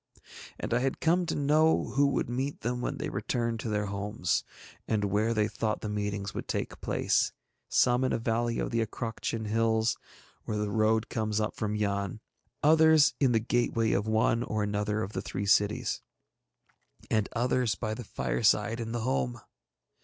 And I had come to know who would meet them when they returned to their homes, and where they thought the meetings would take place, some in a valley of the Acroctian hills where the road comes up from Yann, others in the gateway of one or another of the three cities, and others by the fireside in the home.